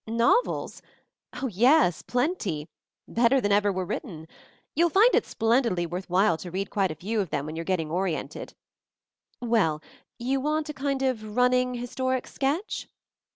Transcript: "Novels? Oh, yes, plenty; better than 38 MOVING THE MOUNTAIN ever were written. You'll find it splendidly worth while to read quite a few of them while you're getting oriented ... Well, you want a kind of running, historic sketch?"